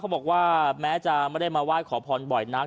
บอกว่าแม้จะไม่ได้มาไหว้ขอพรบ่อยนัก